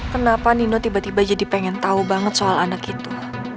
kenapa nino tiba tiba jadi pengen tahu banget soal anak itu